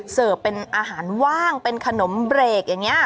เสิร์ฟเป็นอาหารว่างเป็นขนมเบรกอย่างนี้